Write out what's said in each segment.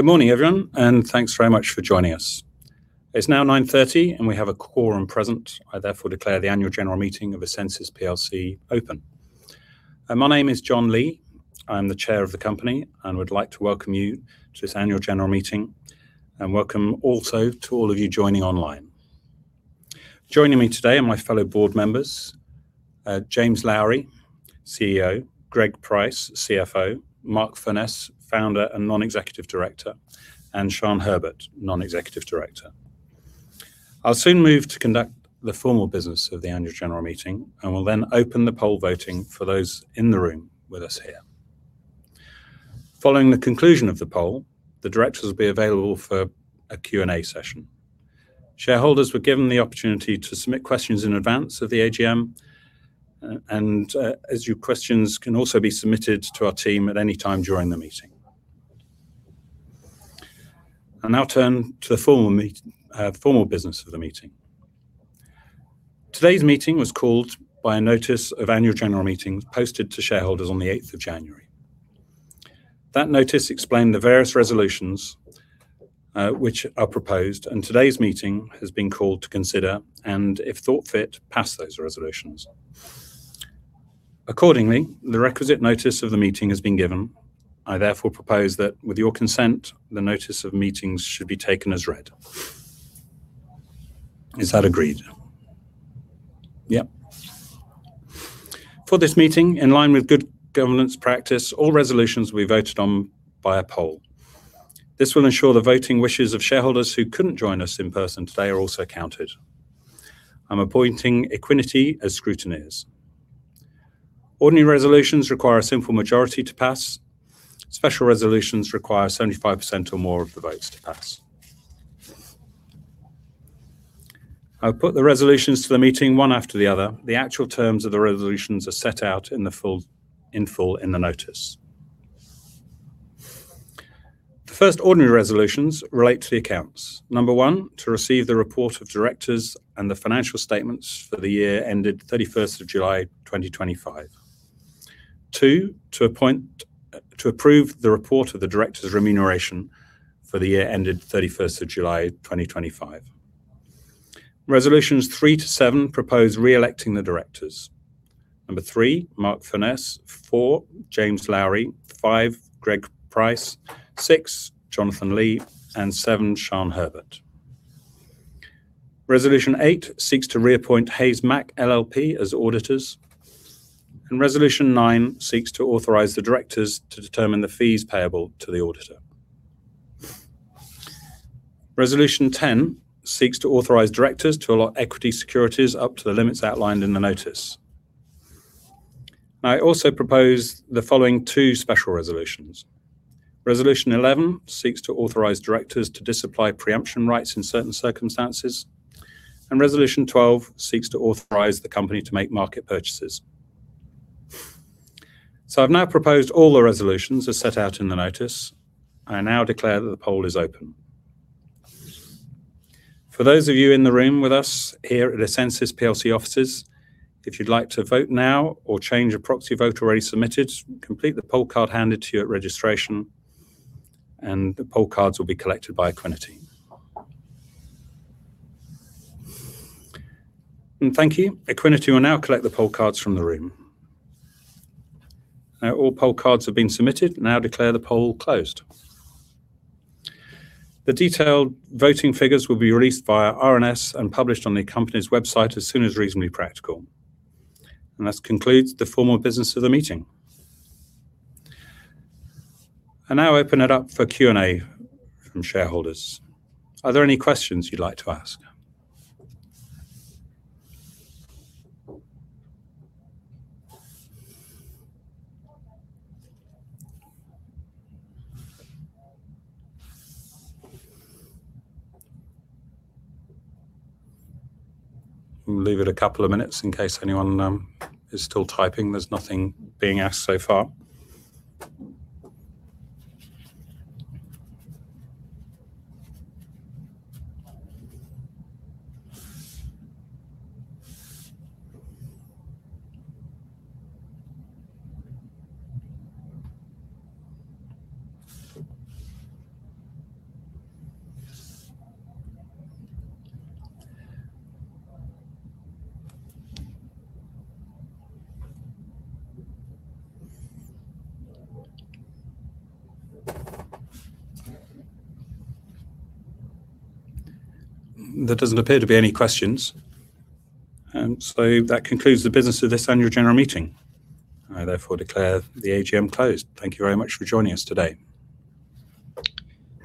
Good morning, everyone, and thanks very much for joining us. It's now 9:30 A.M., and we have a quorum present. I therefore declare the annual general meeting of essensys plc open. My name is Jon Lee. I'm the Chair of the company and would like to welcome you to this annual general meeting, and welcome also to all of you joining online. Joining me today are my fellow board members, James Lowery, CEO; Greg Price, CFO; Mark Furness, founder and non-executive director; and Sian Herbert, non-executive director. I'll soon move to conduct the formal business of the annual general meeting and will then open the poll voting for those in the room with us here. Following the conclusion of the poll, the directors will be available for a Q&A session. Shareholders were given the opportunity to submit questions in advance of the AGM, and as your questions can also be submitted to our team at any time during the meeting. I'll now turn to the formal business of the meeting. Today's meeting was called by a notice of annual general meeting, posted to shareholders on the eighth of January. That notice explained the various resolutions, which are proposed, and today's meeting has been called to consider and, if thought fit, pass those resolutions. Accordingly, the requisite notice of the meeting has been given. I, therefore, propose that, with your consent, the notice of meetings should be taken as read. Is that agreed? Yep. For this meeting, in line with good governance practice, all resolutions will be voted on by a poll. This will ensure the voting wishes of shareholders who couldn't join us in person today are also counted. I'm appointing Equiniti as scrutineers. Ordinary resolutions require a simple majority to pass. Special resolutions require 75% or more of the votes to pass. I'll put the resolutions to the meeting one after the other. The actual terms of the resolutions are set out in the full... in full in the notice. The first ordinary resolutions relate to the accounts. Number 1, to receive the report of directors and the financial statements for the year ended 31st of July, 2025. 2, to appoint to approve the report of the directors' remuneration for the year ended 31st of July, 2025. Resolutions 3 to 7 propose re-electing the directors. Number 3, Mark Furness; 4, James Lowery; 5, Greg Price; 6, Jon Lee; and 7, Sian Herbert. Resolution eight seeks to reappoint Haysmacintyre LLP as auditors, and Resolution nine seeks to authorize the directors to determine the fees payable to the auditor. Resolution ten seeks to authorize directors to allot equity securities up to the limits outlined in the notice. I also propose the following two special resolutions. Resolution eleven seeks to authorize directors to disapply pre-emption rights in certain circumstances, and Resolution twelve seeks to authorize the company to make market purchases. So I've now proposed all the resolutions as set out in the notice. I now declare that the poll is open. For those of you in the room with us here at essensys plc offices, if you'd like to vote now or change a proxy vote already submitted, complete the poll card handed to you at registration, and the poll cards will be collected by Equiniti. Thank you. Equiniti will now collect the poll cards from the room. Now all poll cards have been submitted. I now declare the poll closed. The detailed voting figures will be released via RNS and published on the company's website as soon as reasonably practical. This concludes the formal business of the meeting. I now open it up for Q&A from shareholders. Are there any questions you'd like to ask? We'll leave it a couple of minutes in case anyone is still typing. There's nothing being asked so far. There doesn't appear to be any questions, and so that concludes the business of this annual general meeting. I, therefore, declare the AGM closed. Thank you very much for joining us today.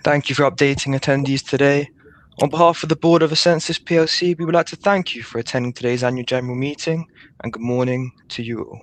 Thank you for updating attendees today. On behalf of the board of essensys plc, we would like to thank you for attending today's annual general meeting, and good morning to you all.